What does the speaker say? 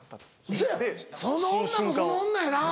ウソやんその女もその女やな。